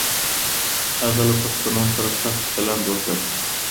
هغه له پښتنو سره سخت چلند وکړ